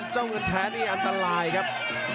เงินแท้นี่อันตรายครับ